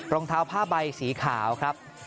รองเท้าผ้าใบสีขาวครับ